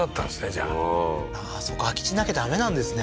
じゃあそっか空き地なきゃダメなんですね